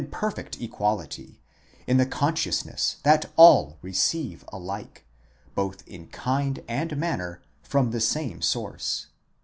§ 152, perfect equality, in the consciousness that all receive alike, both in kind and manner, from the same source.